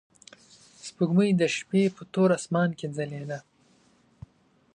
سپوږمۍ د شپې په تور اسمان کې ځلېده.